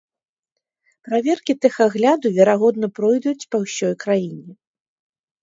Праверкі тэхагляду верагодна пройдуць па ўсёй краіне.